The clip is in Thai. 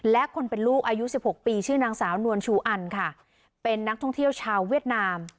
และคนเป็นลูกอายุสิบหกปีชื่อนางสาวนวลชูอันค่ะเป็นนักท่องเที่ยวชาวเวียดนาม